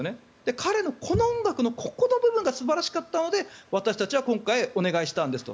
彼のこの音楽のここの部分が素晴らしかったので私たちは今回、お願いしたんですと。